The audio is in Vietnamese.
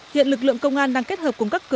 hiện lực lượng công an đang kết hợp cùng các cơ sở